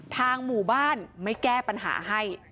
ทางหมู่บ้านไม่แก้ปัญหาให้